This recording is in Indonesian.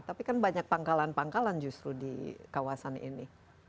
tapi kan banyak pangkalan pangkalan justru di kawasan ini